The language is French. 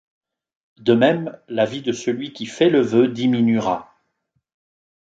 De même, la vie de celui qui fait le vœu diminuera.